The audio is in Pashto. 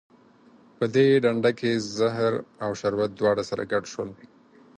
په دې ډنډه کې زهر او شربت دواړه سره ګډ شول.